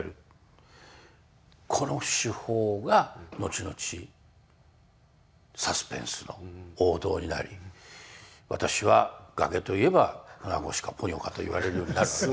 この手法が後々サスペンスの王道になり私は崖といえば船越かポニョかと言われるようになるわけです。